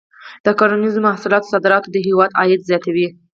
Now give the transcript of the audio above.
د کرنیزو محصولاتو صادرات د هېواد عاید زیاتوي.